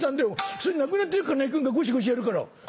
それなくなってる金井君がゴシゴシやるから」。